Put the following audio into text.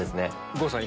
郷さん